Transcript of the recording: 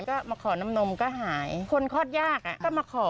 ก็มาขอน้ำนมก็หายคนคลอดยากอ่ะก็มาขอ